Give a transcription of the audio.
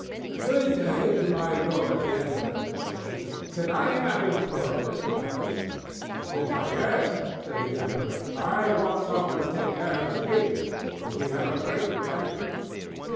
"Good day to my lord, the Emperor!" said he. "Can I have employment at the palace?" "Why, yes," said the Emperor. "I want some one to take care of the pigs, for we have a great many of them."